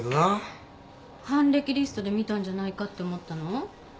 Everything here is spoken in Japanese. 犯歴リストで見たんじゃないかって思ったの？